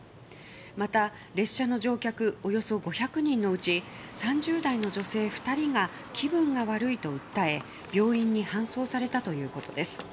また、列車の乗客およそ５００人のうち３０代の女性２人が気分が悪いと訴え病院に搬送されたということです。